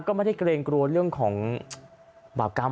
ก็ไม่ได้เกรงกลัวเรื่องของบาปกรรม